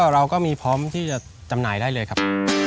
เราก็มีพร้อมที่จะจำหน่ายได้เลยครับ